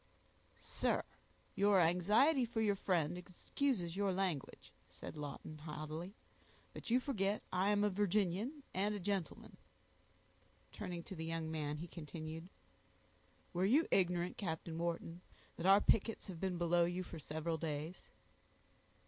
"Sir, your anxiety for your friend excuses your language," said Lawton, haughtily; "but you forget I am a Virginian, and a gentleman." Turning to the young man, he continued, "Were you ignorant, Captain Wharton, that our pickets have been below you for several days?"